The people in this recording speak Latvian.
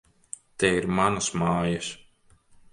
Te ir manas mājas!